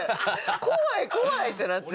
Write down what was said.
怖い怖い！ってなって。